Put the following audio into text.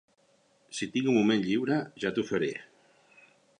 Si tinc un moment lliure, ja t'ho faré.